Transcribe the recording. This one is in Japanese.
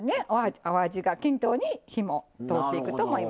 お味が均等に火も通っていくと思います。